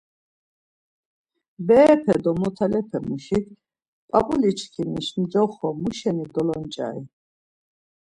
Berepe do motalepemuşik ‘p̌ap̌uliçkimiş ncoxo muşeni dolonç̌ari?